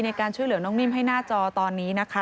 ในการช่วยเหลือน้องนิ่มให้หน้าจอตอนนี้นะคะ